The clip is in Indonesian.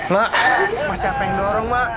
mak siapa yang dorong mak